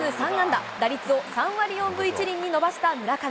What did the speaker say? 打率を３割４分１厘に伸ばした村上。